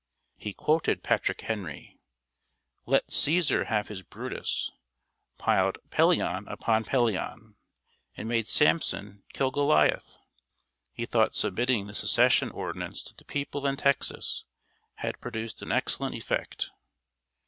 He quoted Patrick Henry, "Let Cæsar have his Brutus;" piled "Pelion upon Pelion!" and made Sampson kill Goliah!! He thought submitting the Secession ordinance to the people in Texas had produced an excellent effect.